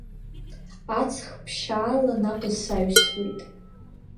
Аҵх ԥшьаала, наҟ исаҩсуеит.